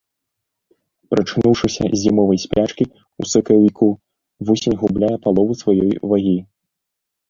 Прачнуўшыся з зімовай спячкі, у сакавіку, вусень губляе палову сваёй вагі.